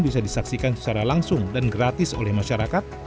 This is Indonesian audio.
bisa disaksikan secara langsung dan gratis oleh masyarakat